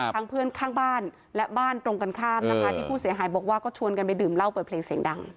เพื่อนข้างบ้านและบ้านตรงกันข้ามนะคะที่ผู้เสียหายบอกว่าก็ชวนกันไปดื่มเหล้าเปิดเพลงเสียงดัง